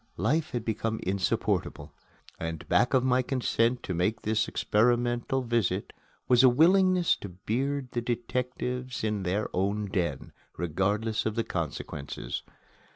Life had become insupportable; and back of my consent to make this experimental visit was a willingness to beard the detectives in their own den, regardless of consequences.